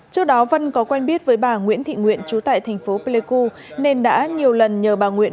trước đó vân có quen biết với bà nguyễn thị nguyện trú tại thành phố pleiku nên đã nhiều lần nhờ bà nguyễn